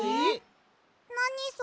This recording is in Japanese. なにそれ？